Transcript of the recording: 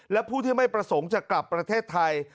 และผู้ที่ไม่ประสงค์จะกลับประเทศไทย